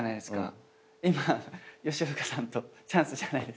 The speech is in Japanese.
今吉岡さんとチャンスじゃないですか？